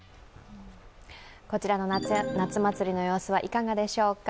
こちらの夏祭りの様子はいかがでしょうか。